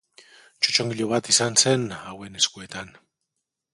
Txotxongilo bat izan zen hauen eskuetan.